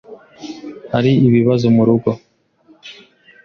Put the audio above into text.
Hari ibibazo murugo?